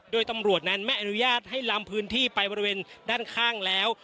โดยตำรวจนั้นไม่อนุญาตให้ลำพื้นที่ไปบริเวณด้านข้างแล้ว